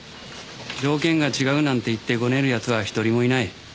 条件が違うなんて言ってゴネる奴は１人もいない。